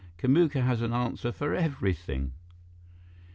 "Kamuka has an answer for everything."